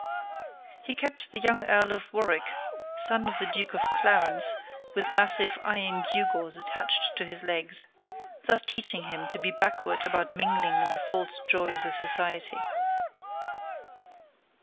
He kept the young Earl of Warwick, son of the Duke of Clarence, carefully indoors with massive iron gewgaws attached to his legs, thus teaching him to be backward about mingling in the false joys of society.